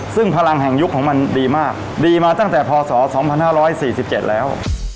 ซึ่งพลังแห่งยุคของมันดีมากดีมาตั้งแต่พศ๒๕๔๗แล้ว